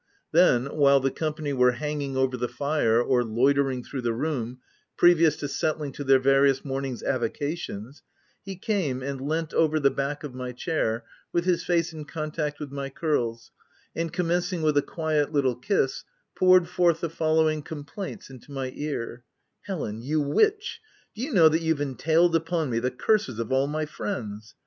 Then, while the company were hanging over the fire or loitering through the room, previous to settling to their various morning's avocations, he came and leant over the back of my chair, with his face in contact with my curls, and com mencing with a quiet little kiss, poured forth the following complaints into my ear —" Helen, you witch, do you know that you've entailed upon me the curses of all my friends?